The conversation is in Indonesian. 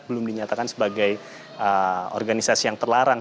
belum dinyatakan sebagai organisasi yang terlarang